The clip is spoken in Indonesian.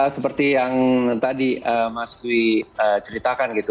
seperti yang tadi mas dwi ceritakan gitu